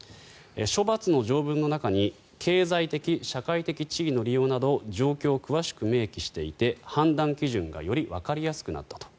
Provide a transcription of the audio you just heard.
処罰の条文の中に経済的・社会的地位の利用など状況を詳しく明記していて判断基準がよりわかりやすくなったと。